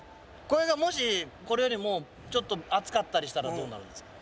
これがもしこれよりもちょっと厚かったりしたらどうなるんですか？